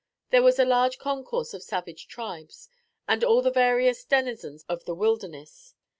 There was a large concourse of savage tribes, and all the various denizens of the wilderness.